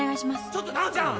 ちょっと直ちゃん！